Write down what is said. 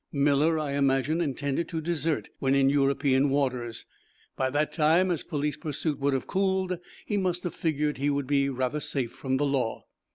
Miller, I imagine, intended to desert when in European waters. By that time, as police pursuit would have cooled, he must have figured that he would be rather safe from the law.